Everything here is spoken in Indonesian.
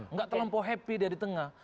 nggak terlampau happy dia di tengah